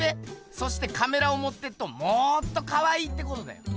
そしてカメラをもってっともっとかわいいってことだよ。